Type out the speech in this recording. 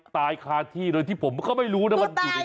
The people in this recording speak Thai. ตายคาที่โดยที่ผมก็ไม่รู้ว่ามันอยู่ในนั้น